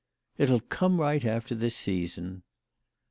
" It'll come right after this season."